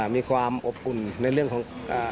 มีความอบอุ่นในเรื่องของ